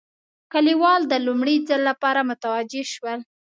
کلیوال د لومړي ځل لپاره متوجه شول.